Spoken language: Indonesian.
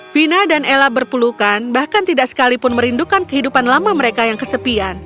vina dan ella berpelukan bahkan tidak sekalipun merindukan kehidupan lama mereka yang kesepian